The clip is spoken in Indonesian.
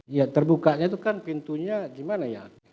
ya terbukanya itu kan pintunya gimana ya